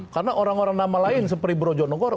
karena orang orang nama lain seperti brojonegoro